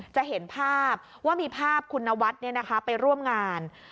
จะเห็นภาพว่ามีภาพคุณนวัฒน์ไปร่วมงาน